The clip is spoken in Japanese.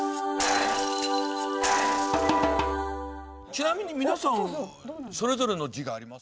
ちなみに皆さんそれぞれの字がありますか？